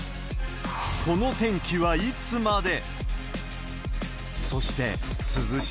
この天気はいつまで？